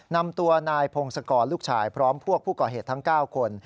นำตัวนายพงศกรลูกชายพร้อมพวกผู้ก่อเหตุทั้ง๙คน